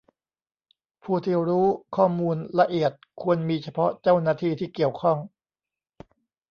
ผู้ที่รู้ข้อมูลละเอียดควรมีเฉพาะเจ้าหน้าที่ที่เกี่ยวข้อง